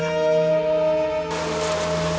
dan mereka juga bisa menangkap moose